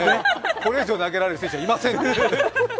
これ以上投げられる選手はいませんって。